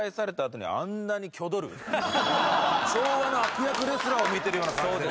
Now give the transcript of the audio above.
昭和の悪役レスラーを見てるような感じで。